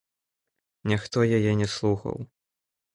Ніхто яе не слухаў.